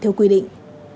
theo quy định